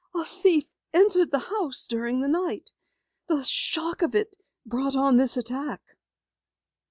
"A thief entered the house during the night. The shock of it brought on this attack."